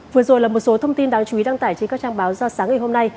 vừa rồi là một số thông tin đáng chú ý đăng tải trên các trang báo ra sáng ngày hôm nay